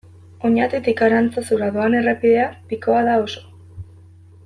Oñatitik Arantzazura doan errepidea pikoa da oso.